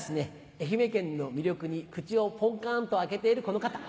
愛媛県の魅力に口をポンカンと開けているこの方。